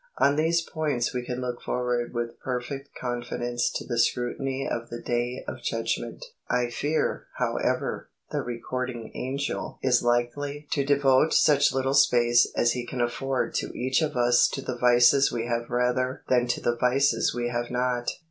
On these points we can look forward with perfect confidence to the scrutiny of the Day of Judgment. I fear, however, the Recording Angel is likely to devote such little space as he can afford to each of us to the vices we have rather than to the vices we have not.